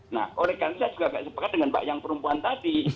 nah oleh karena itu saya juga agak sepakat dengan mbak yang perempuan tadi